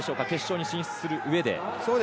決勝に進出するうえで。